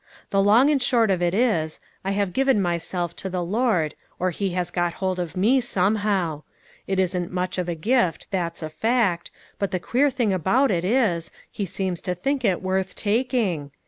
The long and short of it is, I have given myself to the Lord, or he has got hold of me, somehow ; it isn't much of a gift, that's a fact, but the queer thing about it is, he seems to think it worth taking.